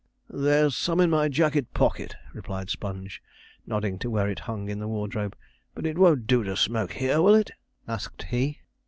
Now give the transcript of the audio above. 'There's some in my jacket pocket,' replied Sponge, nodding to where it hung in the wardrobe; 'but it won't do to smoke here, will it?' asked he.